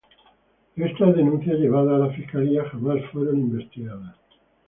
Estas denuncias llevadas a la fiscalía jamás fueron investigadas.